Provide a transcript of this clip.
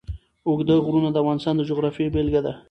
اوږده غرونه د افغانستان د جغرافیې بېلګه ده.